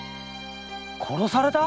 殺された！？